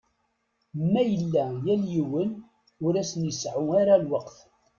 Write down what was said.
Ma yella yal yiwen ur asen-iseɛɛu ara lweqt.